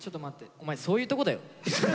お前そういうとこだよ。